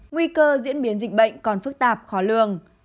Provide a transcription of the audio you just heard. nguy cơ diễn biến dịch bệnh còn phức tạp khó lường